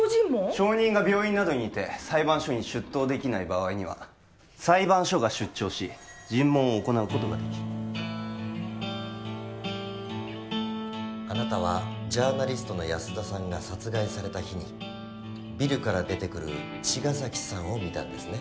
証人が病院などにいて裁判所に出頭できない場合には裁判所が出張し尋問を行うことができるあなたはジャーナリストの安田さんが殺害された日にビルから出てくる茅ヶ崎さんを見たんですね？